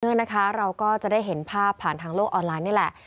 นะคะเราก็จะได้เห็นภาพผ่านทางโลกออนไลน์นี่แหละ